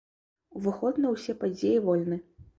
Уваход на ўсе падзеі вольны.